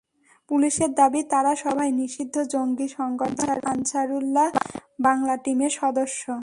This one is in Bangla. পুলিশের দাবি, তাঁরা সবাই নিষিদ্ধ জঙ্গি সংগঠন আনসারুল্লাহ বাংলা টিমের সদস্য।